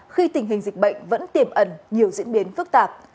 khi tình hình dịch bệnh vẫn tiềm ẩn nhiều diễn biến phức tạp